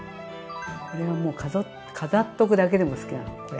これはもう飾っとくだけでも好きなのこれ。